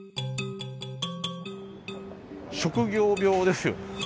職業病ですよ。